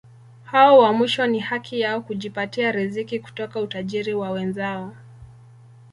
Hao wa mwisho ni haki yao kujipatia riziki kutoka utajiri wa wenzao.